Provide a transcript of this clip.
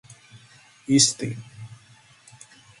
ისტი